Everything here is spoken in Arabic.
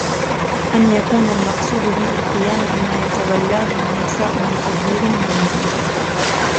أَنْ يَكُونَ الْمَقْصُودُ بِهِ الْقِيَامَ بِمَا يَتَوَلَّاهُ النِّسَاءُ مِنْ تَدْبِيرِ الْمَنَازِلِ